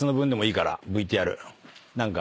何か。